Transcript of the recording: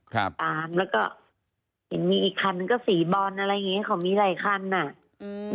ครับแล้วก็มีอีกคันก็สีบอลอะไรอย่างเงี้ยเขามีหลายคันอืม